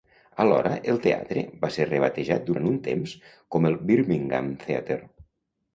Alhora, el teatre va ser rebatejat durant un temps com el "Birmingham Theatre".